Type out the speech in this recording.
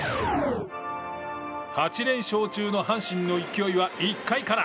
８連勝中の阪神の勢いは１回から。